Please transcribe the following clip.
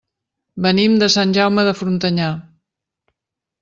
Venim de Sant Jaume de Frontanyà.